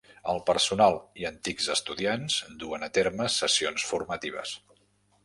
El personal i antics estudiants duen a terme sessions formatives.